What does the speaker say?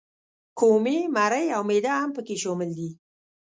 کومي، مرۍ او معده هم پکې شامل دي.